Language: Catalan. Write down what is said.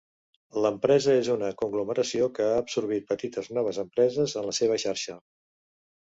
L'empresa és una conglomeració que ha absorbit petites noves empreses en la seva xarxa.